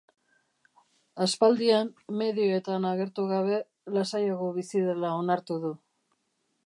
Aspaldian medioetan agertu gabe, lasaiago bizi dela onartu du.